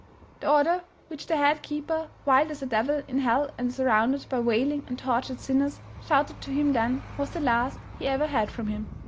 The order which the head keeper, wild as a devil in hell and surrounded by wailing and tortured sinners, shouted to him then, was the last he ever had from him.